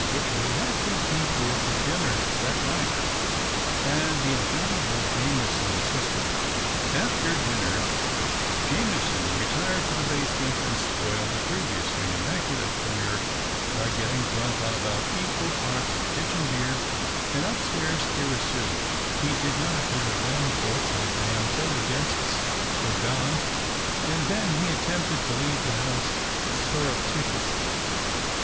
Wycherley had a few people to dinner that night, and the invaluable Jameson assisted. After the dinner, Jameson retired to the basement, and spoiled a previously immaculate career by getting drunk on about equal parts of kitchen beer and upstairs 188 THE OCTAVE OF CLAUDIUS. cura9oa. He did not appear again, fortu nately, until the guests were gone, and then he attempted to leave the house surrepti tiously.